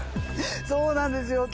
そうなんですよ。